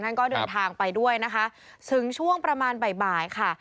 ก็เดินทางไปด้วยนะคะถึงช่วงประมาณบ่ายค่ะ